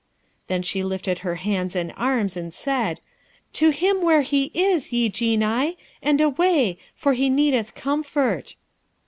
Then she lifted her hands and arms, and said, 'To him where he is, ye Genii! and away, for he needeth comfort.'